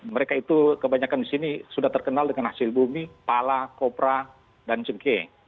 mereka itu kebanyakan di sini sudah terkenal dengan hasil bumi pala kopra dan cengkeh